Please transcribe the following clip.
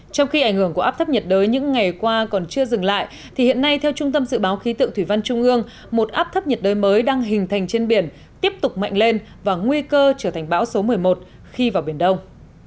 trong khi ảnh hưởng của áp thấp nhiệt đới những ngày qua còn chưa dừng lại thì hiện nay theo trung tâm dự báo khí tượng thủy văn trung ương một áp thấp nhiệt đới mới đang hình thành trên biển tiếp tục mạnh lên và nguy cơ trở thành bão số một mươi một khi vào biển đông